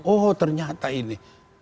oh ternyata ini